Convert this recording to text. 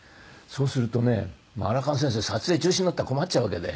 そうするとねアラカン先生撮影中止になったら困っちゃうわけで。